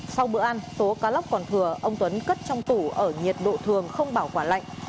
sau bữa ăn số cá lóc còn thừa ông tuấn cất trong tủ ở nhiệt độ thường không bảo quả lạnh